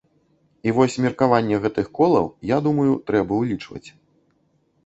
І вось меркаванне гэтых колаў, я думаю, трэба ўлічваць.